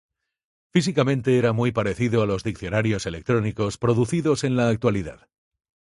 Físicamente, era muy parecido a los diccionarios electrónicos producidos en la actualidad.